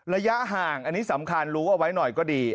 ระยะห่างอันนี้สำคัญรู้เอาไว้หน่อยก็ดี